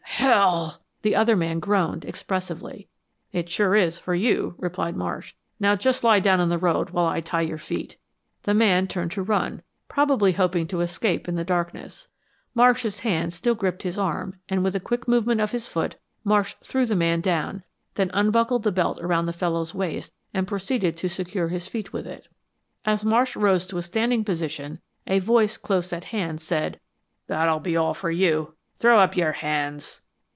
"Hell!" the other man groaned, expressively. "It sure is for you," replied Marsh. "Now, just lie down in the road while I tie your feet." The man turned to run, probably hoping to escape in the darkness. Marsh's hand still gripped his arm and with a quick movement of his foot, Marsh threw the man down; then unbuckled the belt around the fellow's waist and proceeded to secure his feet with it. As Marsh rose to a standing position a voice close at hand, said, "That'll be all for you. Throw up your hands!"